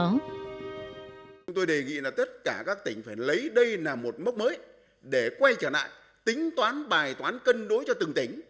chúng tôi đề nghị là tất cả các tỉnh phải lấy đây là một mốc mới để quay trở lại tính toán bài toán cân đối cho từng tỉnh